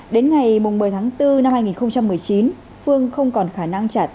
đến ngày một mươi tháng bốn năm hai nghìn một mươi chín phương không còn khả năng trả tiền